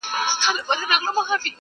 خوني پړانګ چي هر څه زور واهه تر شا سو -